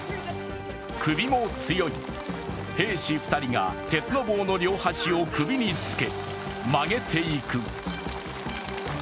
首も強い、兵士２人が鉄の棒の両端を首につけ、曲げていく。